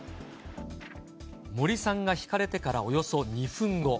森さんがひかれてからおよそ２分後。